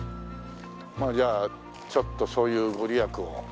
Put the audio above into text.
まあじゃあちょっとそういうご利益を。